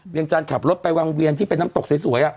จันทร์ขับรถไปวังเวียนที่เป็นน้ำตกสวย